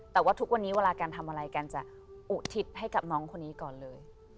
แต่ว่าทุกวันนี้เวลาการทำอะไรกันจะอุทิศให้กับน้องคนนี้ก่อนเลย